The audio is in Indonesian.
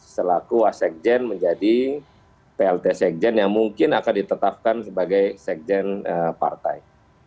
selaku wasekjen menjadi plt sekjen yang mungkin akan ditetapkan sebagai sekjen partai